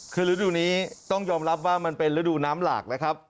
คือฤดูนี้ต้องยอมรับว่ามันเป็นฤดูน้ำหลากนะครับ